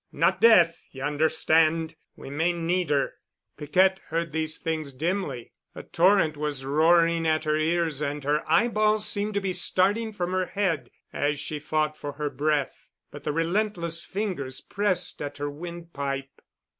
Not death, you understand. We may need her." Piquette heard these things dimly. A torrent was roaring at her ears and her eyeballs seemed to be starting from her head as she fought for her breath, but the relentless fingers pressed at her windpipe.